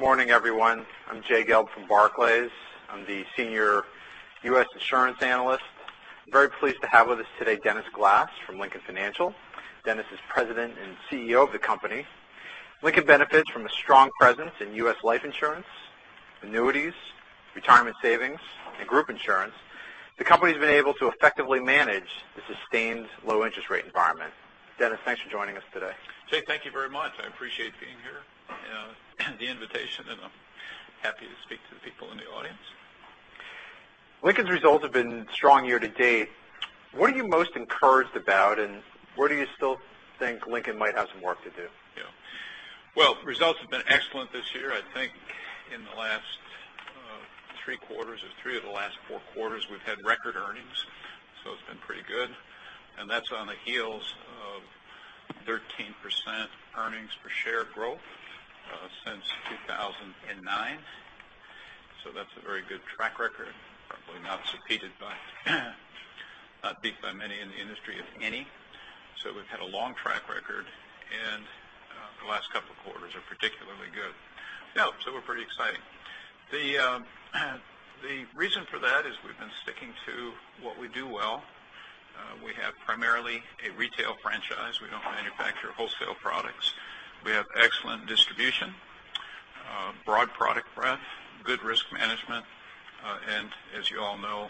Good morning, everyone. I'm Jay Gelb from Barclays. I'm the Senior U.S. Insurance Analyst. I'm very pleased to have with us today Dennis Glass from Lincoln Financial. Dennis is President and CEO of the company. Lincoln benefits from a strong presence in U.S. life insurance, annuities, retirement savings, and group insurance. The company's been able to effectively manage the sustained low interest rate environment. Dennis, thanks for joining us today. Jay, thank you very much. I appreciate being here and the invitation. I'm happy to speak to the people in the audience. Lincoln's results have been strong year-to-date. What are you most encouraged about? Where do you still think Lincoln might have some work to do? Yeah. Well, results have been excellent this year. I think in the last three quarters or three of the last four quarters, we've had record earnings. It's been pretty good. That's on the heels of 13% earnings per share growth since 2009. That's a very good track record, probably not bettered by many in the industry, if any. We've had a long track record, and the last couple of quarters are particularly good. Yeah, we're pretty exciting. The reason for that is we've been sticking to what we do well. We have primarily a retail franchise. We don't manufacture wholesale products. We have excellent distribution, broad product breadth, good risk management, and as you all know,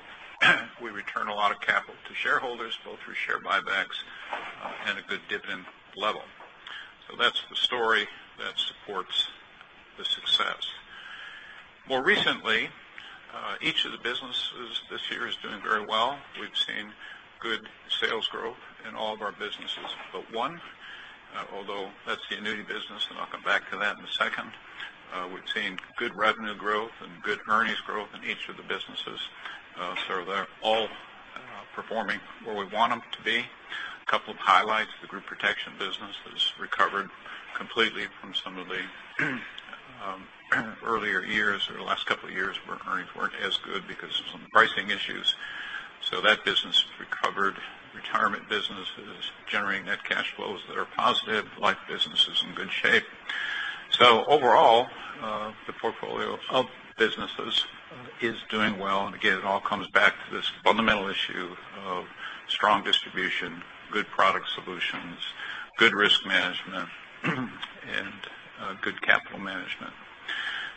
we return a lot of capital to shareholders, both through share buybacks and a good dividend level. That's the story that supports the success. More recently, each of the businesses this year is doing very well. We've seen good sales growth in all of our businesses but one, although that's the annuity business, and I'll come back to that in a second. We've seen good revenue growth and good earnings growth in each of the businesses. They're all performing where we want them to be. A couple of highlights, the group protection business has recovered completely from some of the earlier years, the last couple of years where earnings weren't as good because of some pricing issues. That business has recovered. Retirement business is generating net cash flows that are positive. Life business is in good shape. Overall, the portfolio of businesses is doing well. Again, it all comes back to this fundamental issue of strong distribution, good product solutions, good risk management, and good capital management.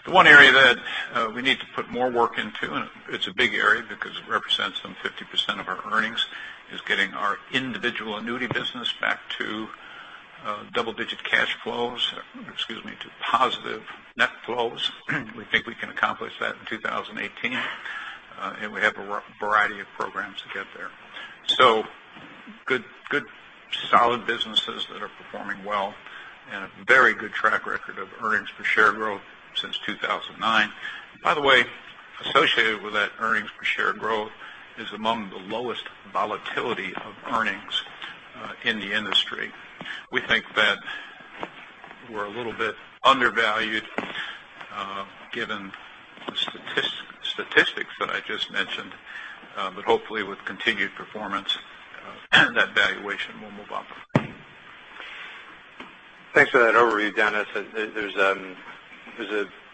The one area that we need to put more work into, and it's a big area because it represents some 50% of our earnings, is getting our individual annuity business back to double-digit cash flows, excuse me, to positive net flows. We think we can accomplish that in 2018. We have a variety of programs to get there. Good, solid businesses that are performing well and a very good track record of earnings per share growth since 2009. By the way, associated with that earnings per share growth is among the lowest volatility of earnings in the industry. We think that we're a little bit undervalued given the statistics that I just mentioned. Hopefully with continued performance, that valuation will move up. Thanks for that overview, Dennis. There's a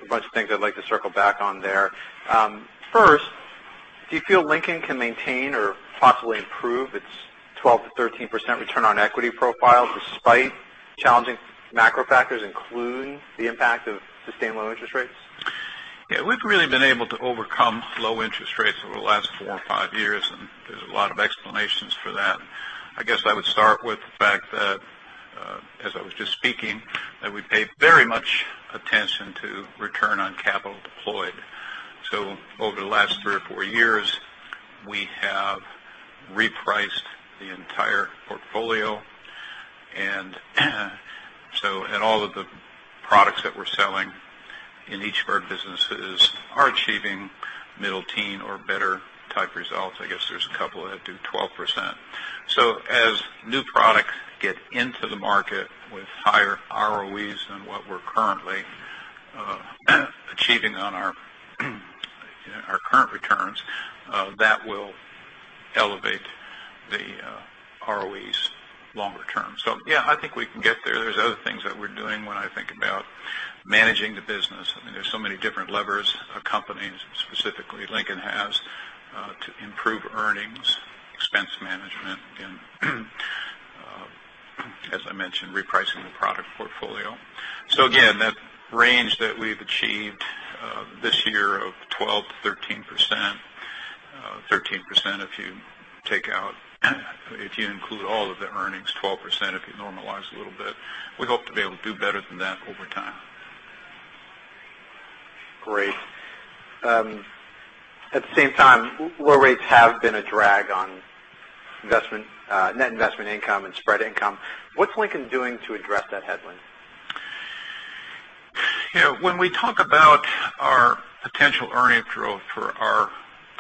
bunch of things I'd like to circle back on there. First, do you feel Lincoln can maintain or possibly improve its 12%-13% return on equity profile despite challenging macro factors, including the impact of sustained low interest rates? Yeah. We've really been able to overcome low interest rates over the last four or five years, and there's a lot of explanations for that. I guess I would start with the fact that, as I was just speaking, that we pay very much attention to return on capital deployed. Over the last three or four years, we have repriced the entire portfolio. All of the products that we're selling in each of our businesses are achieving middle teen or better type results. I guess there's a couple that do 12%. As new products get into the market with higher ROEs than what we're currently achieving on our current returns, that will elevate the ROEs longer term. Yeah, I think we can get there. There's other things that we're doing when I think about managing the business. There's so many different levers a company, specifically Lincoln, has to improve earnings, expense management, and as I mentioned, repricing the product portfolio. Again, that range that we've achieved this year of 12%-13%, 13% if you include all of the earnings, 12% if you normalize a little bit. We hope to be able to do better than that over time. Great. At the same time, low rates have been a drag on net investment income and spread income. What's Lincoln doing to address that headwind? When we talk about our potential earnings growth for our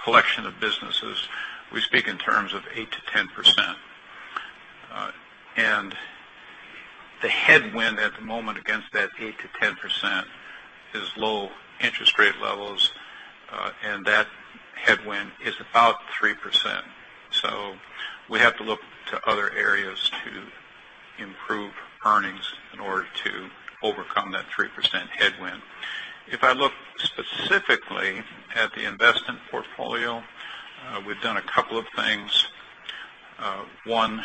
collection of businesses, we speak in terms of 8%-10%. The headwind at the moment against that 8%-10% is low interest rate levels. That headwind is about 3%. We have to look to other areas to improve earnings in order to overcome that 3% headwind. If I look specifically at the investment portfolio, we've done a couple of things. One,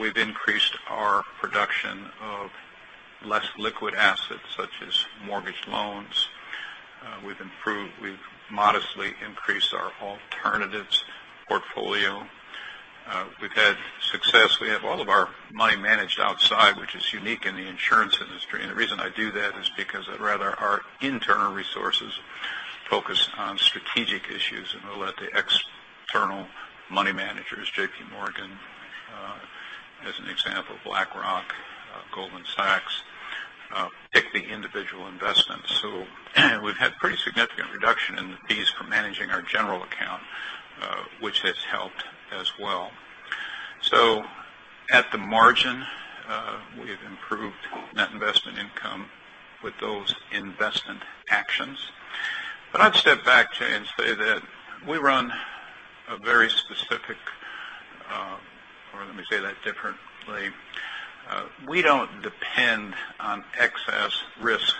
we've increased our production of less liquid assets, such as mortgage loans. We've modestly increased our alternatives portfolio. We've had success. We have all of our money managed outside, which is unique in the insurance industry. The reason I do that is because I'd rather our internal resources focus on strategic issues, and we'll let the external money managers, JP Morgan, as an example, BlackRock, Goldman Sachs, pick the individual investments. We've had pretty significant reduction in the fees for managing our general account, which has helped as well. At the margin, we've improved net investment income with those investment actions. I'd step back, Jay, and say that we run a very specific, or let me say that differently. We don't depend on excess risk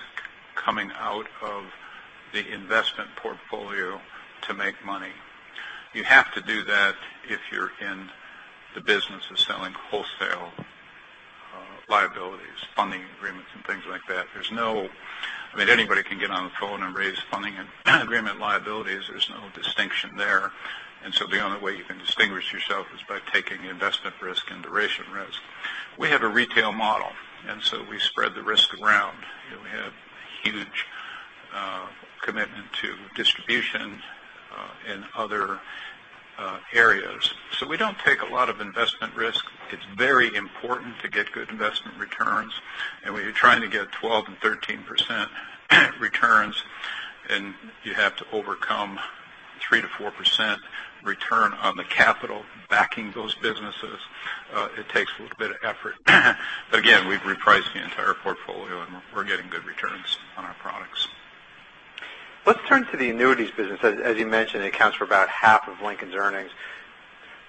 coming out of the investment portfolio to make money. You have to do that if you're in the business of selling wholesale liabilities, funding agreements, and things like that. Anybody can get on the phone and raise funding agreement liabilities. There's no distinction there. The only way you can distinguish yourself is by taking investment risk and duration risk. We have a retail model, we spread the risk around. We have a huge commitment to distribution in other areas. We don't take a lot of investment risk. It's very important to get good investment returns. When you're trying to get 12% and 13% returns, and you have to overcome 3%-4% return on the capital backing those businesses, it takes a little bit of effort. Again, we've repriced the entire portfolio, and we're getting good returns on our products. Let's turn to the annuities business. As you mentioned, it accounts for about half of Lincoln's earnings.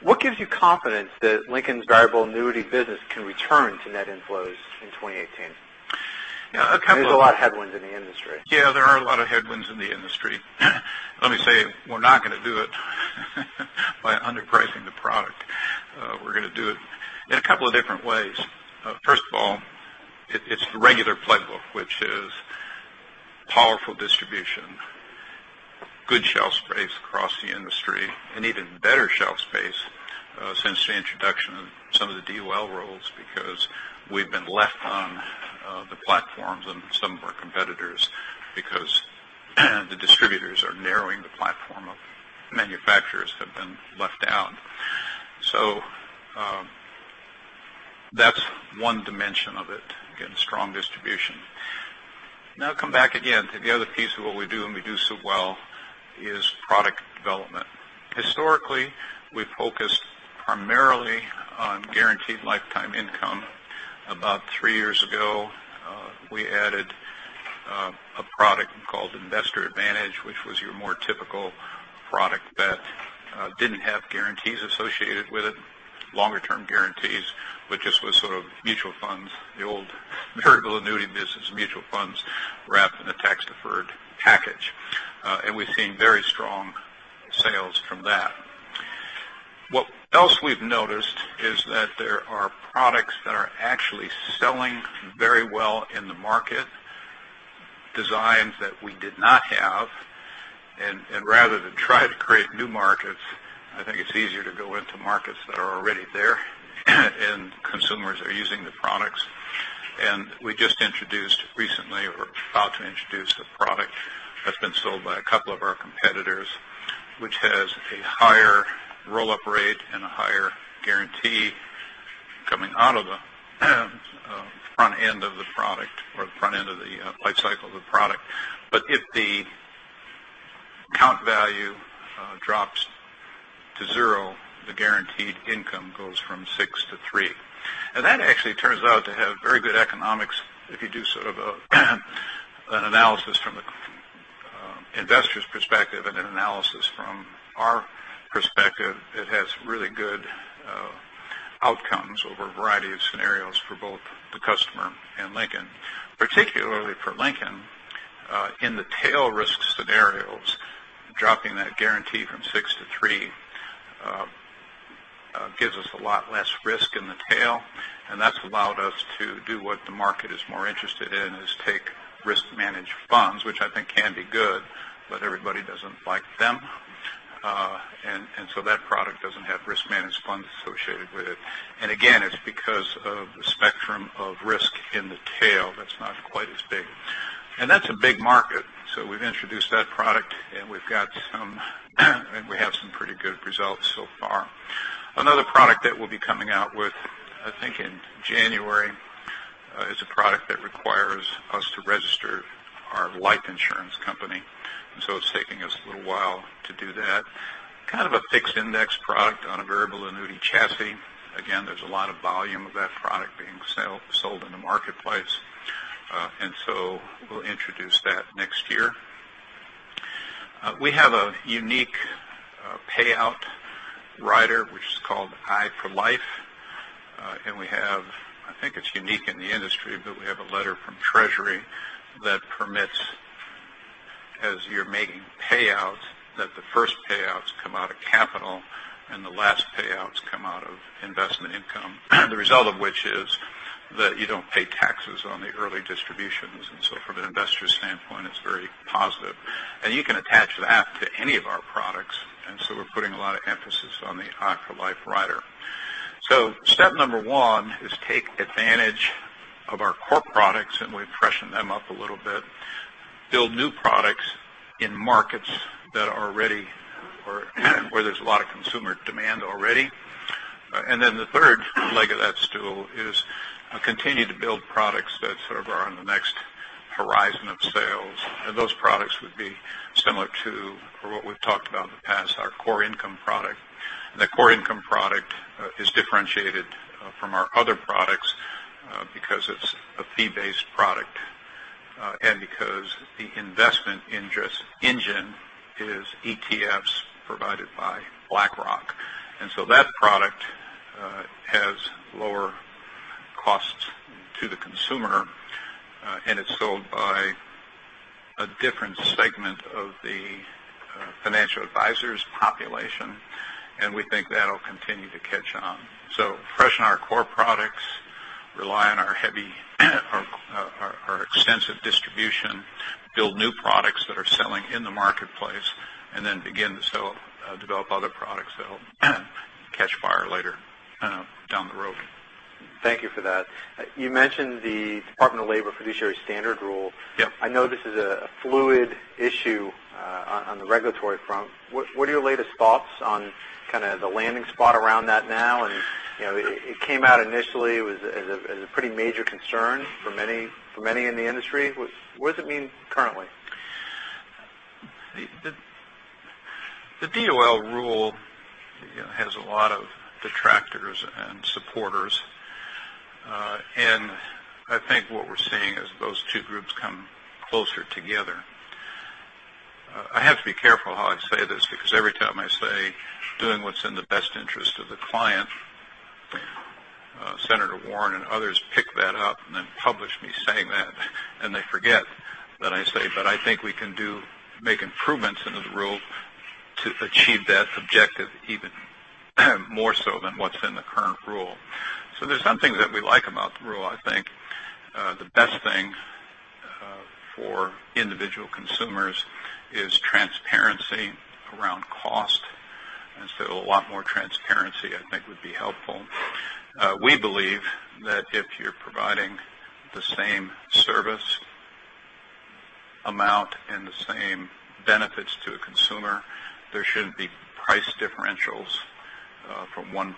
What gives you confidence that Lincoln's variable annuity business can return to net inflows in 2018? Yeah. There's a lot of headwinds in the industry. Yeah, there are a lot of headwinds in the industry. Let me say, we're not going to do it by underpricing the product. We're going to do it in a couple of different ways. First of all, it's the regular playbook, which is powerful distribution, good shelf space across the industry, and even better shelf space since the introduction of some of the DOL rules, because we've been left on the platforms of some of our competitors because the distributors are narrowing the platform of manufacturers have been left out. That's one dimension of it, getting strong distribution. Come back again to the other piece of what we do, and we do so well, is product development. Historically, we focused primarily on guaranteed lifetime income. About three years ago, we added a product called Investor Advantage, which was your more typical product that didn't have guarantees associated with it, longer term guarantees, but just was sort of mutual funds, the old variable annuity business mutual funds wrapped in a tax-deferred package. We've seen very strong sales from that. What else we've noticed is that there are products that are actually selling very well in the market, designs that we did not have. Rather than try to create new markets, I think it's easier to go into markets that are already there and consumers are using the products. We just introduced recently, or about to introduce, a product that's been sold by a couple of our competitors, which has a higher roll-up rate and a higher guarantee coming out of the front end of the product, or the front end of the life cycle of the product. But if the account value drops to zero, the guaranteed income goes from six to three. That actually turns out to have very good economics if you do sort of an analysis from the investor's perspective and an analysis from our perspective. It has really good outcomes over a variety of scenarios for both the customer and Lincoln. Particularly for Lincoln, in the tail risk scenarios, dropping that guarantee from six to three gives us a lot less risk in the tail, and that's allowed us to do what the market is more interested in, is take risk-managed funds, which I think can be good, but everybody doesn't like them. That product doesn't have risk-managed funds associated with it. Again, it's because of the spectrum of risk in the tail that's not quite as big. That's a big market. We've introduced that product, and we have some pretty good results so far. Another product that we'll be coming out with, I think in January, is a product that requires us to register our life insurance company. It's taking us a little while to do that. Kind of a fixed index product on a variable annuity chassis. There's a lot of volume of that product being sold in the marketplace. We'll introduce that next year. We have a unique payout rider, which is called i4LIFE. I think it's unique in the industry, but we have a letter from Treasury that permits, as you're making payouts, that the first payouts come out of capital and the last payouts come out of investment income. The result of which is that you don't pay taxes on the early distributions. From an investor standpoint, it's very positive. You can attach that to any of our products, we're putting a lot of emphasis on the i4LIFE rider. Step number 1 is take advantage of our core products, and we freshen them up a little bit, build new products in markets that are ready or where there's a lot of consumer demand already. The third leg of that stool is continue to build products that sort of are on the next horizon of sales. Those products would be similar to what we've talked about in the past, our Core Income Product. The Core Income Product is differentiated from our other products because it's a fee-based product, and because the investment interest engine is ETFs provided by BlackRock. That product has lower costs to the consumer, and it's sold by a different segment of the financial advisors population, and we think that'll continue to catch on. Freshen our core products, rely on our heavy or our extensive distribution, build new products that are selling in the marketplace, then begin to develop other products that'll catch fire later down the road. Thank you for that. You mentioned the Department of Labor Fiduciary Standard Rule. Yep. I know this is a fluid issue on the regulatory front. What are your latest thoughts on kind of the landing spot around that now? It came out initially as a pretty major concern for many in the industry. What does it mean currently? The DOL rule has a lot of detractors and supporters. I think what we're seeing is those two groups come closer together. I have to be careful how I say this, because every time I say doing what's in the best interest of the client, Elizabeth Warren and others pick that up and then publish me saying that, and they forget that I say, but I think we can make improvements into the rule to achieve that objective even more so than what's in the current rule. There's some things that we like about the rule. I think the best thing for individual consumers is transparency around cost. A lot more transparency, I think, would be helpful. We believe that if you're providing the same service amount and the same benefits to a consumer, there shouldn't be price differentials from one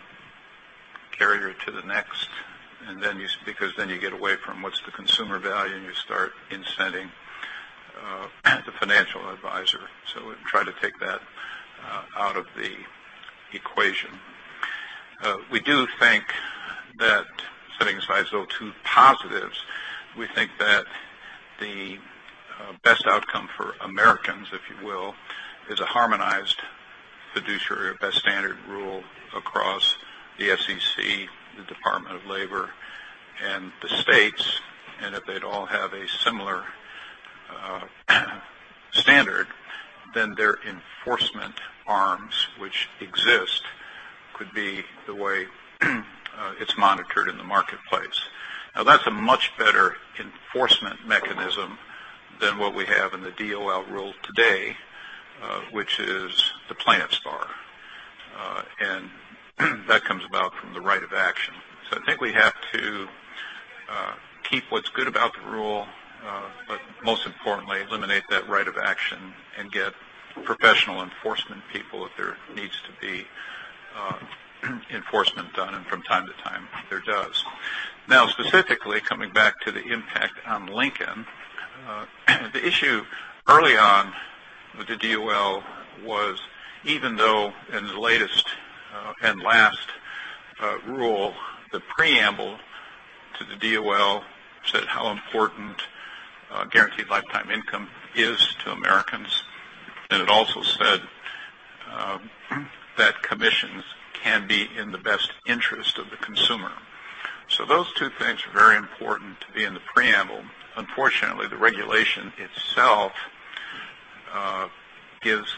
carrier to the next. You get away from what's the consumer value, and you start incenting the financial advisor. We try to take that out of the equation. We do think that setting aside those two positives, we think that the best outcome for Americans, if you will, is a harmonized Fiduciary Standard Rule across the SEC, the Department of Labor, and the states, and if they'd all have a similar standard, then their enforcement arms, which exist, could be the way it's monitored in the marketplace. That's a much better enforcement mechanism than what we have in the DOL rule today, which is the plaintiff's bar. That comes about from the right of action. I think we have to keep what's good about the rule, but most importantly, eliminate that right of action and get professional enforcement people if there needs to be enforcement done, and from time to time, there does. Specifically, coming back to the impact on Lincoln, the issue early on with the DOL was even though in the latest and last rule, the preamble to the DOL said how important guaranteed lifetime income is to Americans, and it also said that commissions can be in the best interest of the consumer. Those two things are very important to be in the preamble. Unfortunately, the regulation itself gives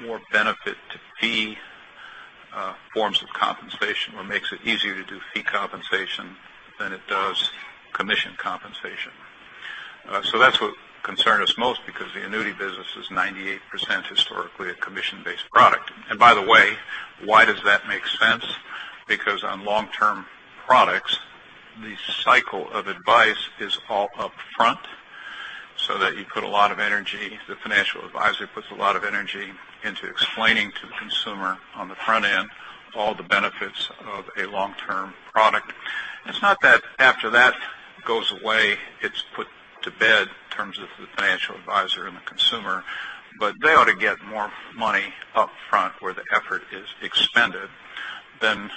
more benefit to fee forms of compensation or makes it easier to do fee compensation than it does commission compensation. That's what concerned us most because the annuity business is 98% historically a commission-based product. By the way, why does that make sense? Because on long-term products, the cycle of advice is all upfront so that you put a lot of energy, the financial advisor puts a lot of energy into explaining to the consumer on the front end all the benefits of a long-term product. It's not that after that goes away, it's put to bed in terms of the financial advisor and the consumer, but they ought to get more money up front where the effort is expended. Than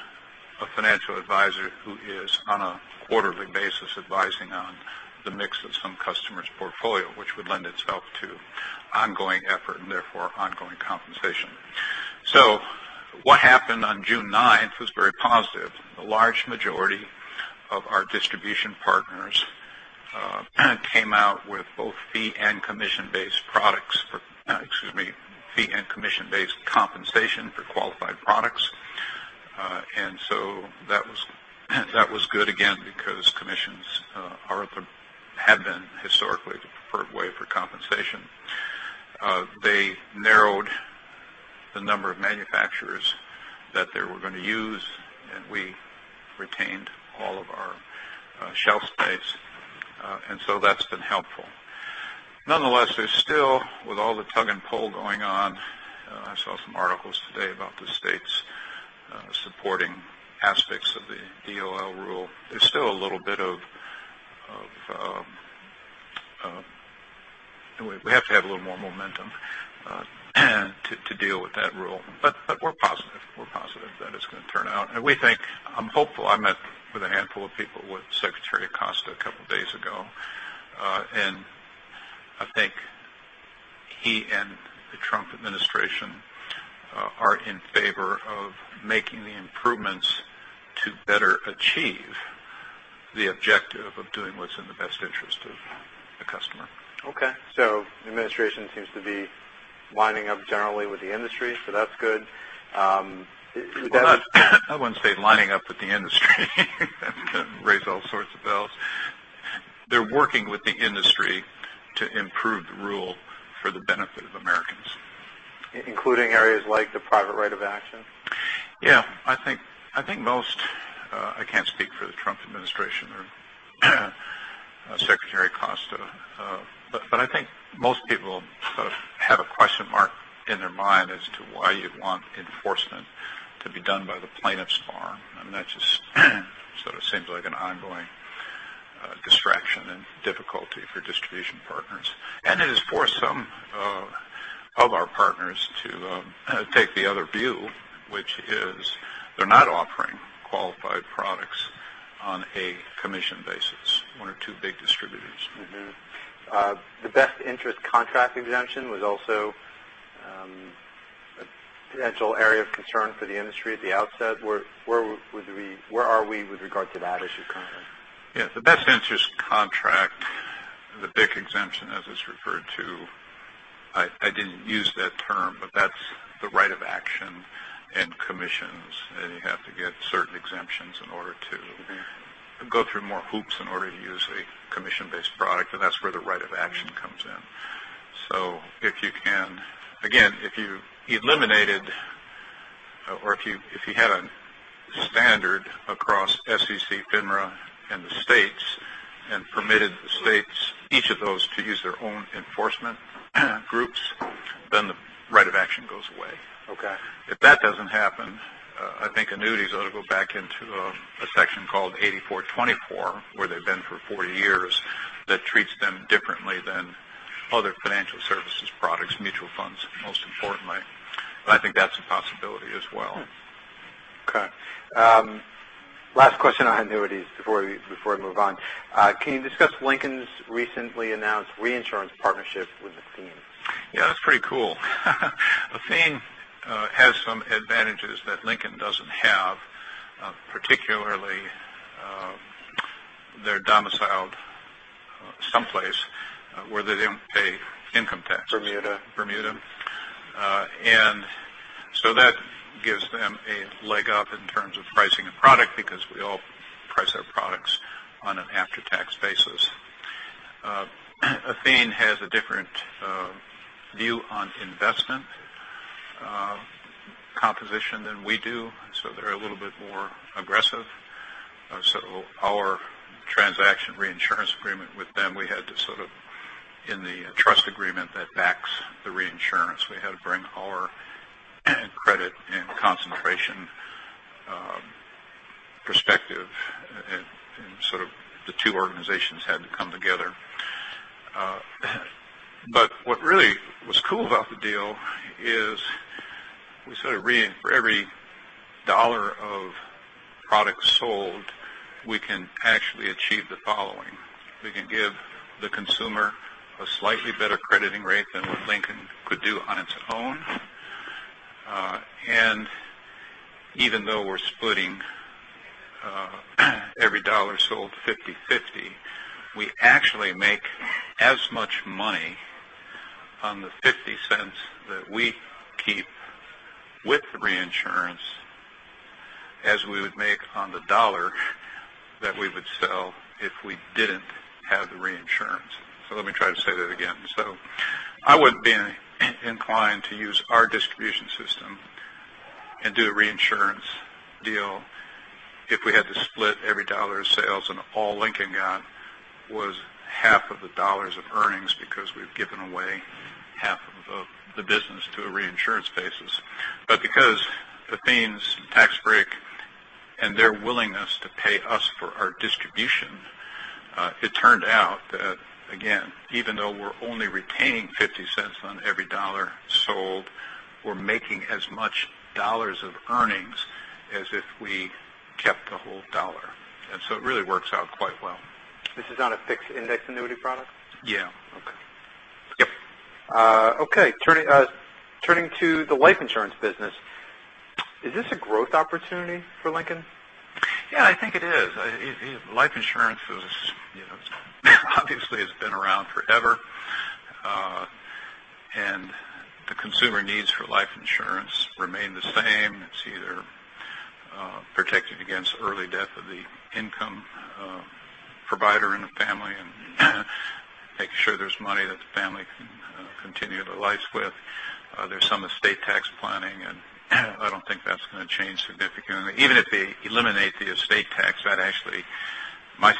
a financial advisor who is on a quarterly basis advising on the mix of some customer's portfolio, which would lend itself to ongoing effort and therefore ongoing compensation. What happened on June 9th was very positive. A large majority of our distribution partners came out with both fee and commission-based products for Excuse me, fee and commission-based compensation for qualified products. That was good again because commissions have been historically the preferred way for compensation. They narrowed the number of manufacturers that they were going to use, and we retained all of our shelf space. That's been helpful. Nonetheless, there's still, with all the tug and pull going on, I saw some articles today about the states supporting aspects of the DOL rule. There's still a little bit of We have to have a little more momentum to deal with that rule. We're positive that it's going to turn out. I'm hopeful. I met with a handful of people with Alexander Acosta a couple of days ago, and I think he and the Trump administration are in favor of making the improvements to better achieve the objective of doing what's in the best interest of the customer. Okay. The administration seems to be lining up generally with the industry, so that's good. Well, I wouldn't say lining up with the industry. That raise all sorts of bells. They're working with the industry to improve the rule for the benefit of Americans. Including areas like the private right of action? Yeah. I can't speak for the Trump administration or Alexander Acosta, but I think most people sort of have a question mark in their mind as to why you'd want enforcement to be done by the plaintiff's bar. That just sort of seems like an ongoing distraction and difficulty for distribution partners. It has forced some of our partners to take the other view, which is they're not offering qualified products on a commission basis, one or two big distributors. The Best Interest Contract Exemption was also a potential area of concern for the industry at the outset. Where are we with regard to that issue currently? Yeah. The best interest contract, the BIC exemption, as it's referred to, I didn't use that term, but that's the right of action and commissions, and you have to get certain exemptions in order to go through more hoops in order to use a commission-based product, and that's where the right of action comes in. Again, if you eliminated or if you had a standard across SEC, FINRA, and the states and permitted the states, each of those to use their own enforcement groups, then the right of action goes away. Okay. If that doesn't happen, I think annuities ought to go back into a section called 84-24, where they've been for four years, that treats them differently than other financial services products, mutual funds, most importantly. I think that's a possibility as well. Okay. Last question on annuities before we move on. Can you discuss Lincoln's recently announced reinsurance partnership with Athene? Yeah, that's pretty cool. Athene has some advantages that Lincoln doesn't have, particularly, they're domiciled someplace where they don't pay income tax. Bermuda. Bermuda. That gives them a leg up in terms of pricing a product because we all price our products on an after-tax basis. Athene has a different view on investment composition than we do, and so they're a little bit more aggressive. Our transaction reinsurance agreement with them, in the trust agreement that backs the reinsurance, we had to bring our credit and concentration perspective, and sort of the two organizations had to come together. What really was cool about the deal is we sort of for every $1 of product sold, we can actually achieve the following. We can give the consumer a slightly better crediting rate than what Lincoln could do on its own. Even though we're splitting every dollar sold 50/50, we actually make as much money on the $0.50 that we keep with the reinsurance as we would make on the dollar that we would sell if we didn't have the reinsurance. Let me try to say that again. I wouldn't be inclined to use our distribution system and do a reinsurance deal if we had to split every dollar of sales and all Lincoln got was half of the dollars of earnings because we've given away half of the business to a reinsurance basis. Because Athene's tax break and their willingness to pay us for our distribution, it turned out that, again, even though we're only retaining $0.50 on every dollar sold, we're making as much dollars of earnings as if we kept the whole dollar. It really works out quite well. This is on a fixed index annuity product? Yeah. Okay. Yep. Okay. Turning to the life insurance business, is this a growth opportunity for Lincoln? Yeah, I think it is. Life insurance, obviously, has been around forever. The consumer needs for life insurance remain the same. It's either protecting against early death of the income provider in a family and making sure there's money that the family can continue their lives with. There's some estate tax planning, and I don't think that's going to change significantly. Even if they eliminate the estate tax.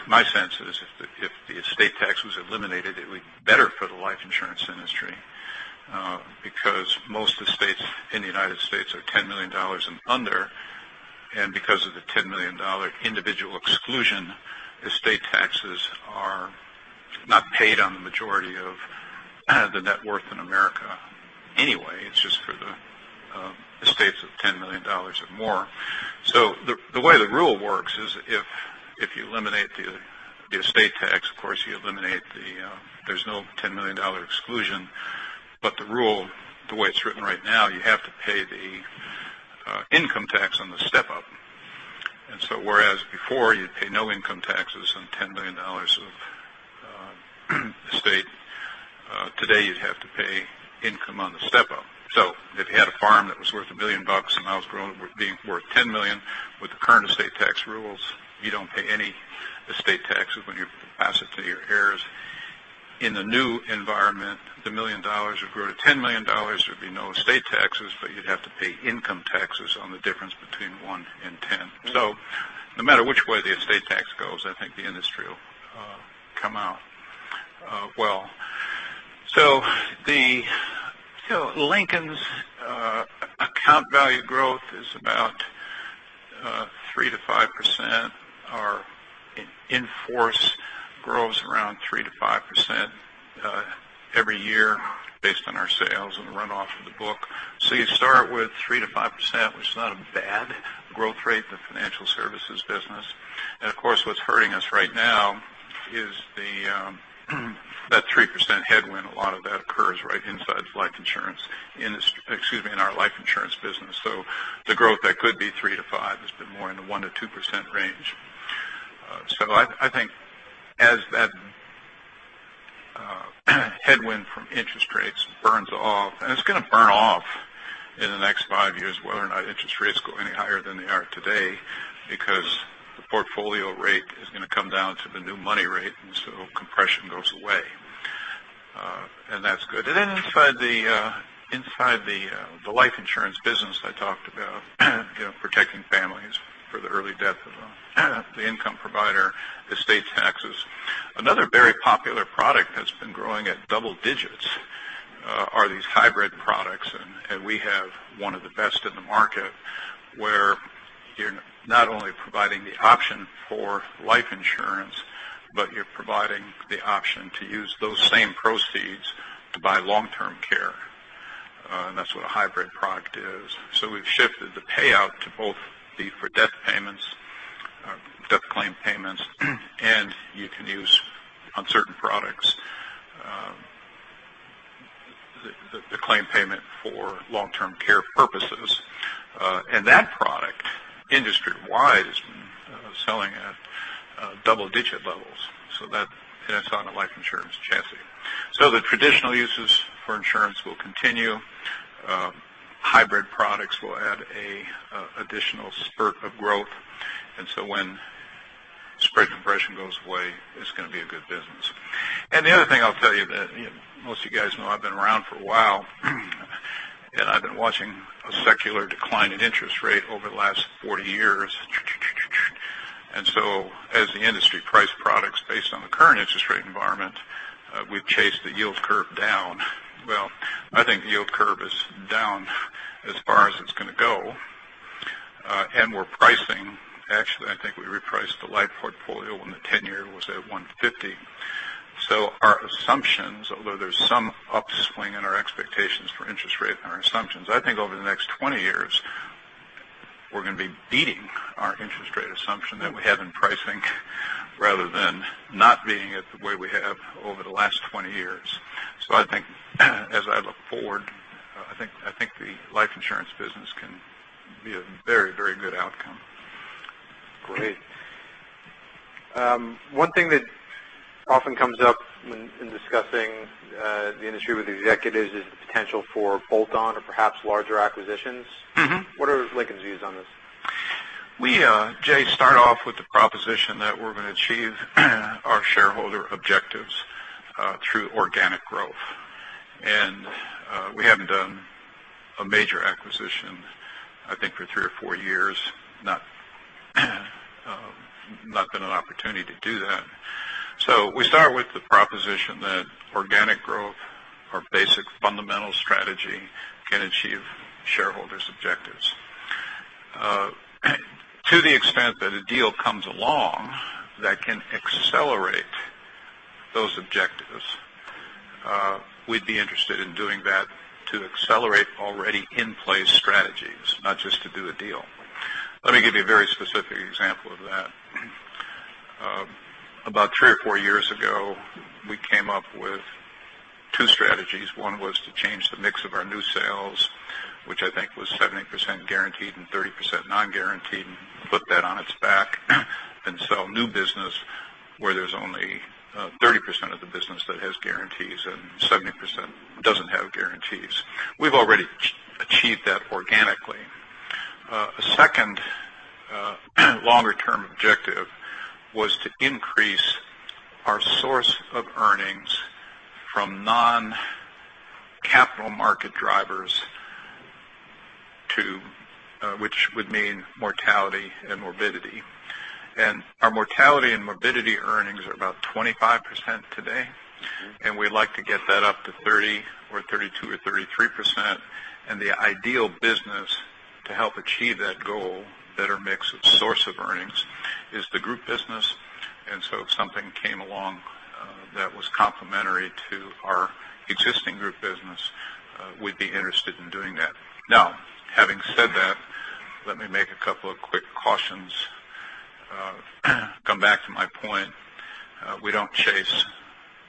My sense is, if the estate tax was eliminated, it would be better for the life insurance industry, because most estates in the U.S. are $10 million and under. Because of the $10 million individual exclusion, estate taxes are not paid on the majority of the net worth in America anyway. It's just for the estates of $10 million or more. The way the rule works is if you eliminate the estate tax, of course, there's no $10 million exclusion. The rule, the way it's written right now, you have to pay the income tax on the step-up. Whereas before you'd pay no income taxes on $10 million of estate, today you'd have to pay income on the step-up. If you had a farm that was worth $1 million, and now it's grown, worth $10 million with the current estate tax rules, you don't pay any estate taxes when you pass it to your heirs. In the new environment, the $1 million would grow to $10 million. There'd be no estate taxes, but you'd have to pay income taxes on the difference between one and 10. No matter which way the estate tax goes, I think the industry will come out well. Lincoln's account value growth is about 3%-5%. Our in-force grows around 3%-5% every year based on our sales and runoff of the book. You start with 3%-5%, which is not a bad growth rate in the financial services business. Of course, what's hurting us right now is that 3% headwind, a lot of that occurs right inside of life insurance, in our life insurance business. The growth that could be 3%-5% has been more in the 1%-2% range. I think as that headwind from interest rates burns off, and it's going to burn off in the next five years, whether or not interest rates go any higher than they are today, because the portfolio rate is going to come down to the new money rate, compression goes away. That's good. Then inside the life insurance business I talked about, protecting families for the early death of the income provider, estate taxes. Another very popular product has been growing at double digits are these hybrid products, and we have one of the best in the market, where you're not only providing the option for life insurance, but you're providing the option to use those same proceeds to buy long-term care. That's what a hybrid product is. We've shifted the payout to both be for death claim payments, and you can use on certain products, the claim payment for long-term care purposes. That product, industry-wide, is selling at double-digit levels. That's on a life insurance chassis. Hybrid products will add an additional spurt of growth. When spread compression goes away, it's going to be a good business. The other thing I'll tell you that most of you guys know I've been around for a while, and I've been watching a secular decline in interest rate over the last 40 years. As the industry priced products based on the current interest rate environment, we've chased the yield curve down. Well, I think the yield curve is down as far as it's going to go. We're pricing. Actually, I think we repriced the life portfolio when the tenure was at 150. Our assumptions, although there's some upswing in our expectations for interest rate and our assumptions, I think over the next 20 years, we're going to be beating our interest rate assumption that we have in pricing rather than not beating it the way we have over the last 20 years. I think as I look forward, I think the life insurance business can be a very good outcome. Great. One thing that often comes up when discussing the industry with executives is the potential for bolt-on or perhaps larger acquisitions. What are Lincoln's views on this? Jay, start off with the proposition that we're going to achieve our shareholder objectives through organic growth. We haven't done a major acquisition, I think for three or four years. Not been an opportunity to do that. We start with the proposition that organic growth or basic fundamental strategy can achieve shareholders' objectives. To the extent that a deal comes along that can accelerate those objectives, we'd be interested in doing that to accelerate already in-place strategies, not just to do a deal. Let me give you a very specific example of that. About three or four years ago, we came up with two strategies. One was to change the mix of our new sales, which I think was 70% guaranteed and 30% non-guaranteed, and flip that on its back and sell new business where there's only 30% of the business that has guarantees and 70% doesn't have guarantees. We've already achieved that organically. A second longer-term objective was to increase our source of earnings from non-capital market drivers, which would mean mortality and morbidity. Our mortality and morbidity earnings are about 25% today, and we'd like to get that up to 30 or 32 or 33%. The ideal business to help achieve that goal, better mix of source of earnings, is the group business. If something came along that was complementary to our existing group business, we'd be interested in doing that. Now, having said that, let me make a couple of quick cautions. Come back to my point. We don't chase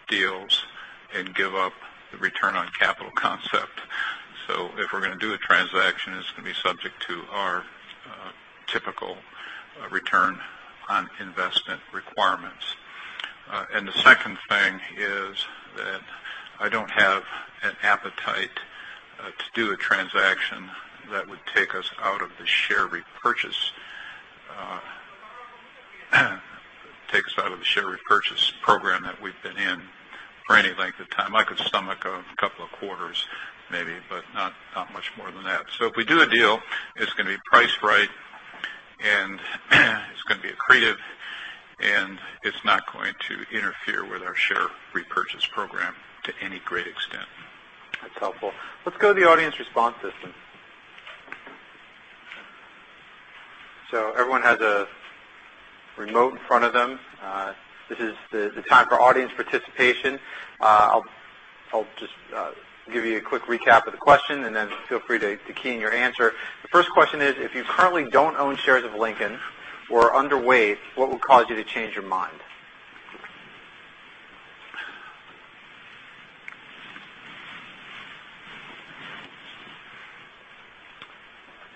deals and give up the return on capital concept. If we're going to do a transaction, it's going to be subject to our typical return on investment requirements. The second thing is that I don't have an appetite to do a transaction that would take us out of the share repurchase program that we've been in for any length of time. I could stomach a couple of quarters maybe, but not much more than that. If we do a deal, it's going to be priced right, and it's going to be accretive, and it's not going to interfere with our share repurchase program to any great extent. That's helpful. Let's go to the audience response system. Everyone has a remote in front of them. This is the time for audience participation. I'll just give you a quick recap of the question, and then feel free to key in your answer. The first question is: If you currently don't own shares of Lincoln or are underweight, what would cause you to change your mind?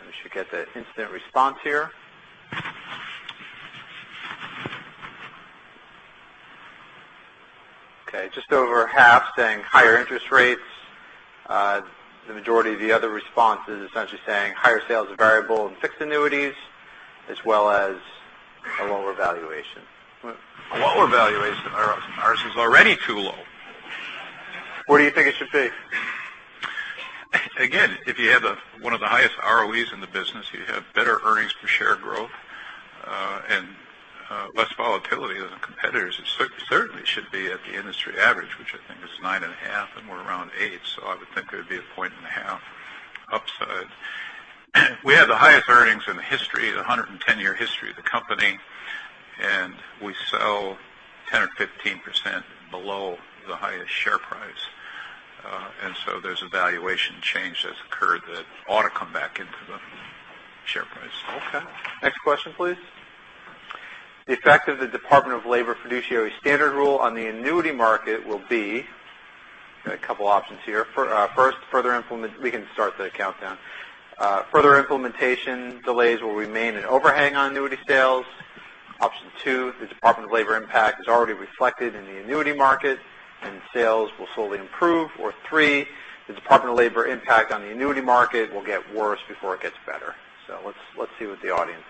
We should get the instant response here. Okay, just over half saying higher interest rates. The majority of the other responses essentially saying higher sales of variable and fixed annuities, as well as a lower valuation. A lower valuation? Ours is already too low. Where do you think it should be? If you have one of the highest ROEs in the business, you have better earnings per share growth, and less volatility than competitors. It certainly should be at the industry average, which I think is 9.5, and we're around eight. I would think there'd be a 1.5 upside. We have the highest earnings in the 110-year history of the company, and we sell 10% or 15% below the highest share price. There's a valuation change that's occurred that ought to come back into the share price. Okay. Next question, please. The effect of the Department of Labor Fiduciary Standard Rule on the annuity market will be? Got a couple options here. We can start the countdown. Further implementation delays will remain an overhang on annuity sales. Option 2, the Department of Labor impact is already reflected in the annuity market, and sales will slowly improve. Or 3, the Department of Labor impact on the annuity market will get worse before it gets better. Let's see what the audience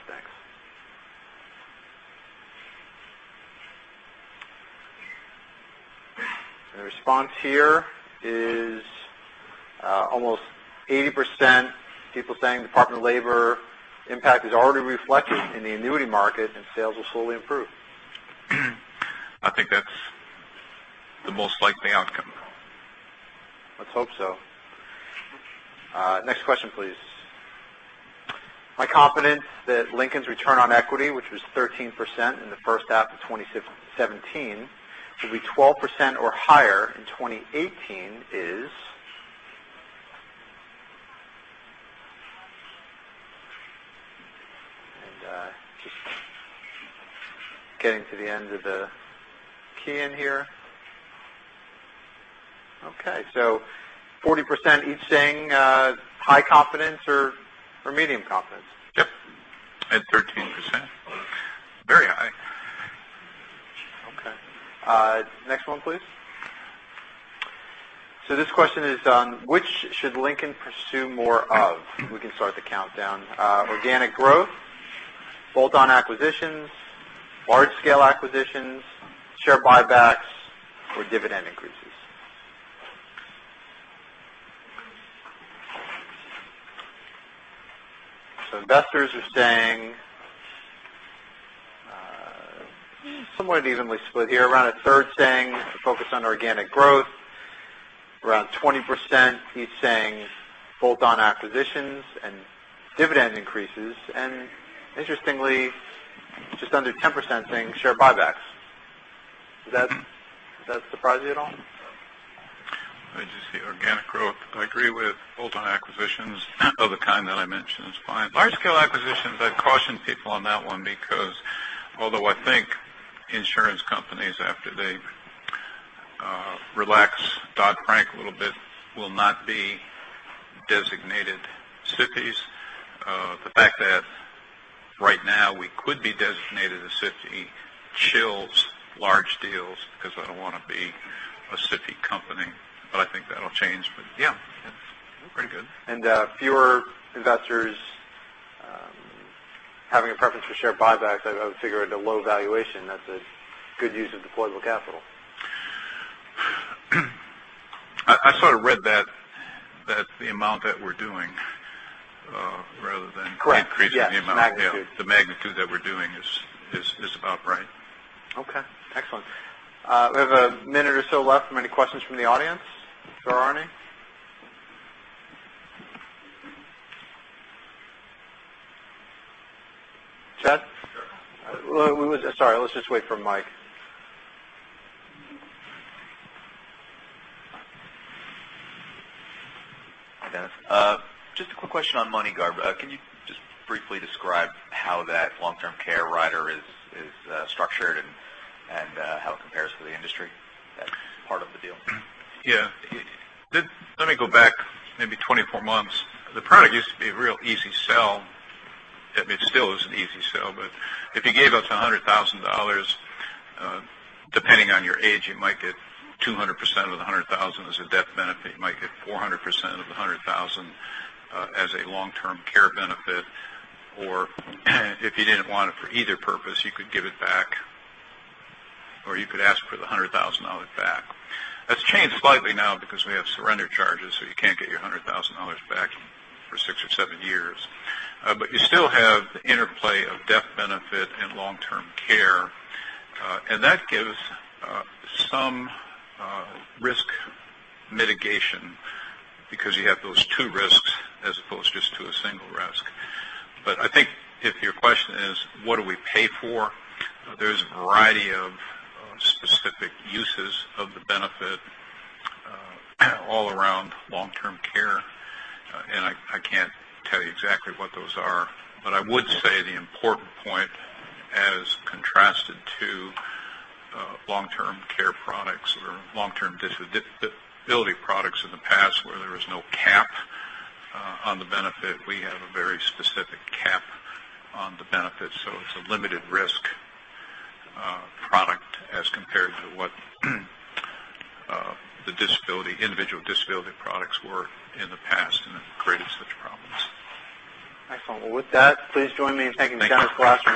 thinks. The response here is almost 80% people saying Department of Labor impact is already reflected in the annuity market and sales will slowly improve. I think that's the most likely outcome. Let's hope so. Next question, please. My confidence that Lincoln's return on equity, which was 13% in the first half of 2017, will be 12% or higher in 2018 is? Just getting to the end of the key in here. Okay. 40% each saying high confidence or medium confidence. Yep. At 13%. Very high. Okay. Next one, please. This question is on which should Lincoln pursue more of? We can start the countdown. Organic growth, bolt-on acquisitions, large-scale acquisitions, share buybacks, or dividend increases Investors are saying somewhat evenly split here, around a third saying to focus on organic growth. Around 20% each saying bolt-on acquisitions and dividend increases. Interestingly, just under 10% saying share buybacks. Does that surprise you at all? I just see organic growth. I agree with bolt-on acquisitions of the kind that I mentioned is fine. Large scale acquisitions, I'd caution people on that one because although I think insurance companies, after they've relaxed Dodd-Frank a little bit, will not be designated SIFIs. The fact that right now we could be designated a SIFI chills large deals because I don't want to be a SIFI company, but I think that'll change. Yeah, pretty good. Fewer investors having a preference for share buybacks. I would figure at a low valuation, that's a good use of deployable capital. I sort of read that the amount that we're doing rather than. Correct. Yes. Increasing the amount. Magnitude. The magnitude that we're doing is about right. Okay. Excellent. We have a minute or so left for any questions from the audience. There are any? Chad? Sure. Sorry, let's just wait for Mike. Hi, Dennis. Just a quick question on MoneyGuard. Can you just briefly describe how that long-term care rider is structured and how it compares to the industry? That part of the deal. Yeah. Let me go back maybe 24 months. The product used to be a real easy sell. I mean, it still is an easy sell, if you gave up to $100,000, depending on your age, you might get 200% of the $100,000 as a death benefit. You might get 400% of the $100,000 as a long-term care benefit. If you didn't want it for either purpose, you could give it back, or you could ask for the $100,000 back. That's changed slightly now because we have surrender charges, you can't get your $100,000 back for six or seven years. You still have the interplay of death benefit and long-term care, and that gives some risk mitigation because you have those two risks as opposed just to a single risk. I think if your question is what do we pay for, there's a variety of specific uses of the benefit all around long-term care, and I can't tell you exactly what those are. I would say the important point, as contrasted to long-term care products or long-term disability products in the past where there was no cap on the benefit, we have a very specific cap on the benefit. It's a limited risk product as compared to what the individual disability products were in the past and have created such problems. Excellent. Well, with that, please join me in thanking Dennis Glass.